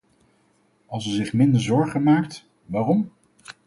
Als ze zich minder zorgen maakt, waarom?